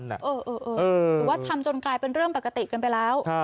หรือว่าทำจนกลายเป็นเรื่องปกติกันไปแล้ว